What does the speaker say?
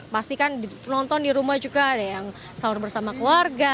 pasti kan penonton di rumah juga ada yang sahur bersama keluarga